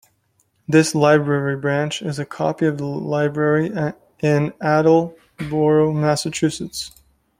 This library branch is a copy of a library in Attleboro, Massachusetts.